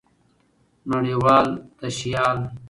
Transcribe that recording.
نړۍوال تشيال